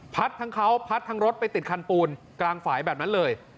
ทั้งเขาพัดทั้งรถไปติดคันปูนกลางฝ่ายแบบนั้นเลย